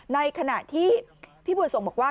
ในขณะที่พี่บุญส่งบอกว่า